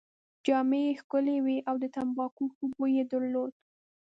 جامې يې ښکلې وې او د تمباکو ښه بوی يې درلود.